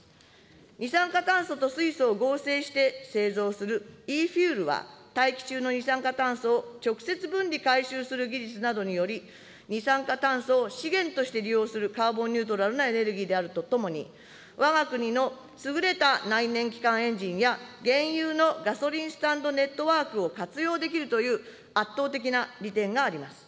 二酸化炭素と水素を合成して製造するイーフューエルは二酸化炭素を直接分離・回収する技術などにより、二酸化炭素を資源として利用するカーボンニュートラルのエネルギーであるとともに、わが国の優れた内燃基幹エンジンや、現有のガソリンスタンドネットワークを活用できるという、圧倒的な利点があります。